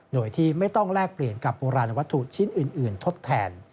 โดยที่ไม่ต้องแลกเปลี่ยนกับโบราณวัตถุชิ้นอื่นทดแทน